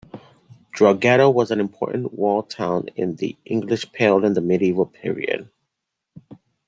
Drogheda was an important walled town in the English Pale in the medieval period.